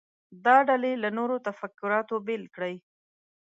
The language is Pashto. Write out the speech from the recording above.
دا ډلې له نورو تفکراتو بیل کړي.